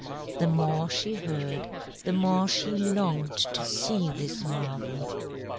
The more she heard, the more she longed to see this marvel.